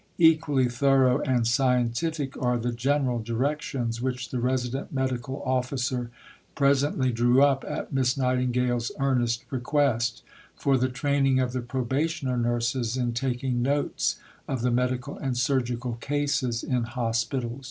Equally thorough and scientific are the "General Directions" which the Resident Medical Officer presently drew up at Miss Nightingale's earnest request, "For the Training of the Probationer Nurses in taking Notes of the Medical and Surgical Cases in Hospitals."